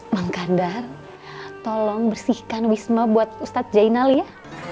mengkandar tolong bersihkan wisma buat ustaz zainal ya